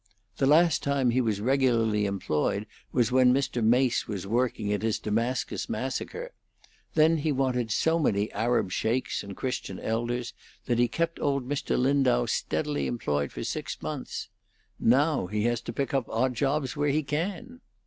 The last time he was regularly employed was when Mr. Mace was working at his Damascus Massacre. Then he wanted so many Arab sheiks and Christian elders that he kept old Mr. Lindau steadily employed for six months. Now he has to pick up odd jobs where he can."